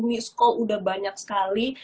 miss call udah banyak sekali